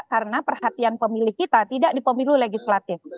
karena perhatian pemilih kita tidak di pemilu legislatif